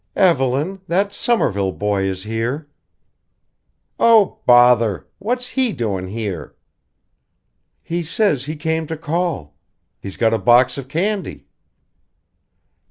"Evelyn that Somerville boy is here." "Oh! bother! What's he doin' here?" "He says he came to call. He's got a box of candy."